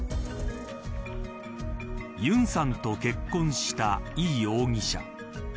ユンさんと結婚したイ容疑者。